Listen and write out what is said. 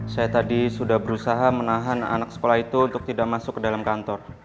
saya tadi sudah berusaha menahan anak sekolah itu untuk tidak masuk ke dalam kantor